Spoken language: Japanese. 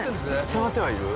繋がってはいる。